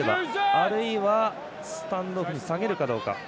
あるいはスタンドオフ下げるかどうか。